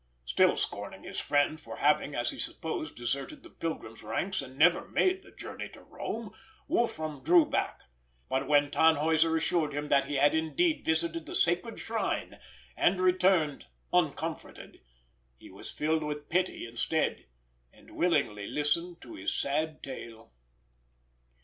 Still scorning his friend for having, as he supposed, deserted the pilgrims' ranks and never made the journey to Rome, Wolfram drew back; but when Tannhäuser assured him that he had indeed visited the sacred shrine, and returned uncomforted, he was filled with pity instead, and willingly listened to his sad tale.